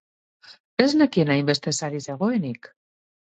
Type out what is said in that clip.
Ez nekien hainbeste sari zegoenik!